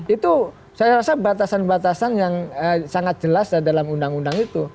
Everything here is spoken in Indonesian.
itu saya rasa batasan batasan yang sangat jelas dalam undang undang itu